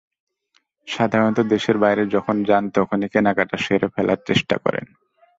সাধারণত দেশের বাইরে যখন যান, তখনই কেনাকাটা সেরে ফেলার চেষ্টা করেন।